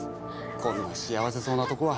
こんな幸せそうなとこは。